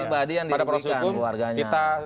pada perusahaan hukum kita